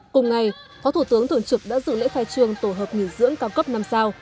cùng ngày phó thủ tướng thường trực đã dự lễ khai trương tổ hợp nghỉ dưỡng cao cấp năm sao